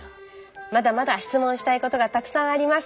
まだまだしつもんしたいことがたくさんあります。